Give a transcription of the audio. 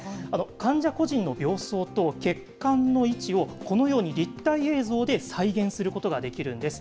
患者個人の病巣と血管の位置を、このように立体映像で再現することができるんです。